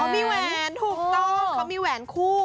มีแหวนถูกต้องเขามีแหวนคู่